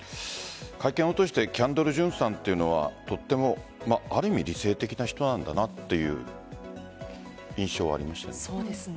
会見を通してキャンドル・ジュンさんというのはとても理性的な人なんだなという印象はありました。